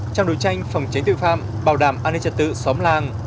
trong đấu tranh phòng tránh tội phạm bảo đảm an ninh trật tự xóm làng